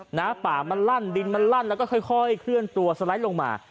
หน้าป่ามันลั่นดินมันลั่นแล้วก็ค่อยเคลื่อนตัวสไลด์ลงมา